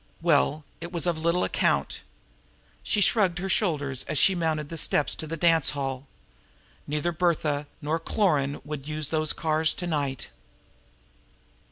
Well, it was of little account! She shrugged her shoulders, as she mounted the steps of the dance hall. Neither "Bertha" nor Cloran would use those cars to night!